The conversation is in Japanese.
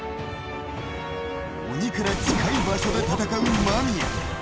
鬼から近い場所で戦う間宮。